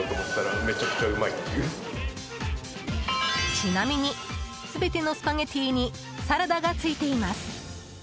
ちなみに、全てのスパゲティにサラダが付いています。